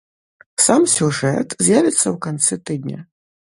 Сам сюжэт з'явіцца ў канцы тыдня.